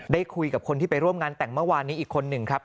ได้คุยกับคนที่ไปร่วมงานแต่งเมื่อวานนี้อีกคนหนึ่งครับ